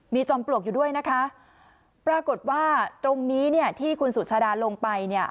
มีจอมปลวกอยู่ด้วยนะคะปรากฏว่าตรงนี้เนี่ยที่คุณสุชาดาลงไปเนี่ย